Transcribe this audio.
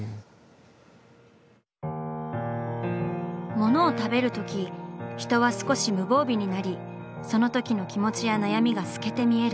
「物を食べるとき人は少し無防備になりそのときの気持ちや悩みが透けて見える」。